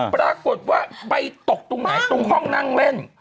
ปรากฏว่าไปตกตรงไหนตรงห้องนั่งเล่น